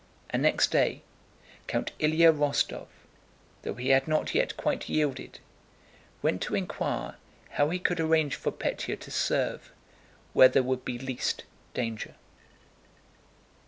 And next day, Count Ilyá Rostóv—though he had not yet quite yielded—went to inquire how he could arrange for Pétya to serve where there would be least danger.